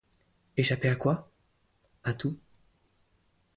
Échapper à quoi? à tout.